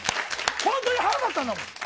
本当に腹立ったんだもん！